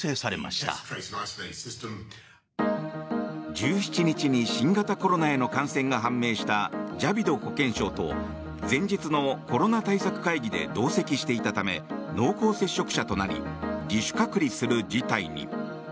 １７日に新型コロナへの感染が判明したジャビド保健相と前日のコロナ対策会議で同席していたため濃厚接触者となり自主隔離する事態に。